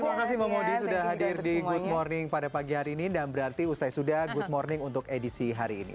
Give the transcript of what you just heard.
terima kasih bang mode sudah hadir di good morning pada pagi hari ini dan berarti usai sudah good morning untuk edisi hari ini